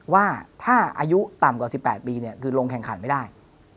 ว่าถ้าอายุต่ำกว่า๑๘ปีคือลงแข่งขันไม่ได้